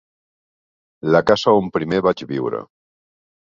La casa on primer vaig viure.